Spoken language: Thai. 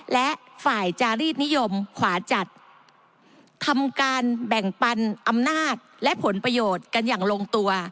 และฝ่ายจารีสนิยมขวาจัดทำการแบ่งปันอำนาจและผลประโยชน์กันอย่างลงตัว